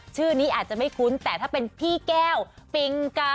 ชื่อนี้อาจจะไม่คุ้นแต่ถ้าเป็นพี่แก้วปิงกา